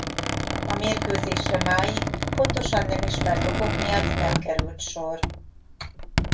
A mérkőzésre máig pontosan nem ismert okok miatt nem került sor.